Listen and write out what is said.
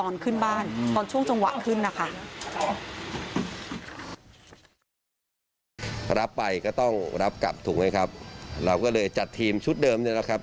เราก็เลยจัดทีมชุดเดิมนี้แล้วครับ